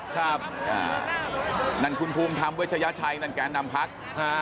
ครับนั่นคุณภูมิธรรมเวชยชัยนั่นแกนนำพัก